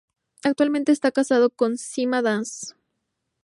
Actualmente está casado con Sima Das.